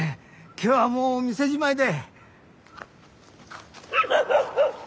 今日はもう店じまいで。